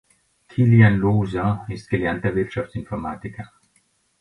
Kilian Looser ist gelernter Wirtschaftsinformatiker.